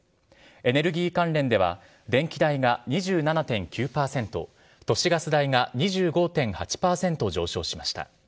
エネルギー関連では、電気代が２７．９％、都市ガス代が２５．８％上昇しました。